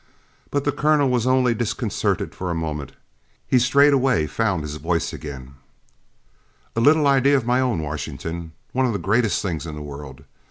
But the Colonel was only disconcerted for a moment he straightway found his voice again: "A little idea of my own, Washington one of the greatest things in the world!